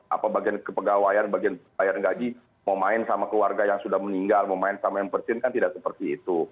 apa bagian kepegawaian bagian bayar gaji mau main sama keluarga yang sudah meninggal mau main sama yang bersin kan tidak seperti itu